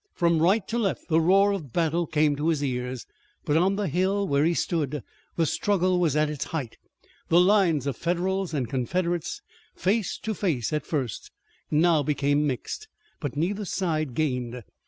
From right to left the roar of battle came to his ears, but on the hill where he stood the struggle was at its height. The lines of Federals and Confederates, face to face at first, now became mixed, but neither side gained.